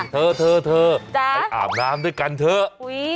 เธอเธอไปอาบน้ำด้วยกันเถอะ